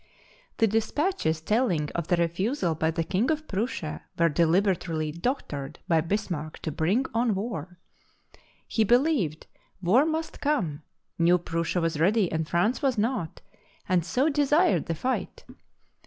The despatches telling of the refusal by the King of Prussia were deliberately " doctored ,: by Bis marck to bring on war. He believed war must come, knew Prussia was ready and France was not, and so desired the fight.